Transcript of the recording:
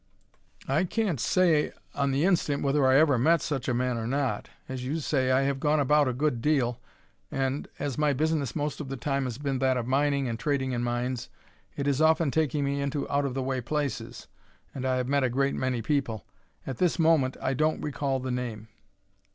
"I can't say on the instant whether I ever met such a man or not. As you say, I have gone about a good deal and, as my business most of the time has been that of mining and trading in mines, it has often taken me into out of the way places, and I have met a great many people. At this moment I don't recall the name."